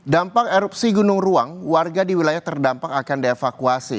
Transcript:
dampak erupsi gunung ruang warga di wilayah terdampak akan dievakuasi